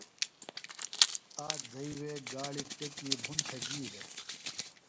آک زھئی وےگاڑیۡ ٹیکی بُھن تھےۡ گی۔